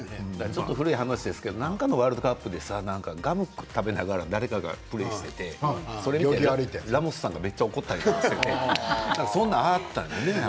古い話ですけれども何かのワールドカップでガムを食べながら誰かがプレーしていて、それでラモスさんがめっちゃ怒ったとそういうのがあったよね。